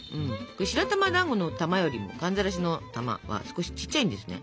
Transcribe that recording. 白玉だんごの玉よりも寒ざらしの玉は少しちっちゃいんですね。